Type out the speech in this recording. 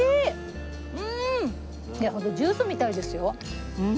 ホントジュースみたいですよ。